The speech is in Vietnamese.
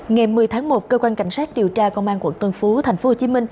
ngày một mươi tháng một cơ quan cảnh sát điều tra công an quận tân phú tp hcm